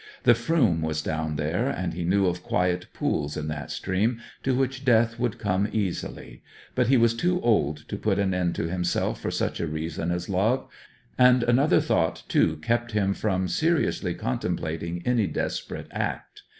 The Froom was down there, and he knew of quiet pools in that stream to which death would come easily. But he was too old to put an end to himself for such a reason as love; and another thought, too, kept him from seriously contemplating any desperate act.